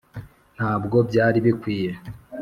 ntabwo byari bikwiye…